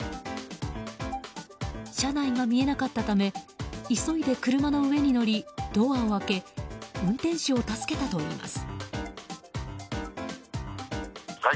車内が見えなかったため急いで車の上に乗りドアを開け運転手を助けたといいます。